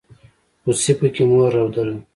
خوسي پکې مور رودله.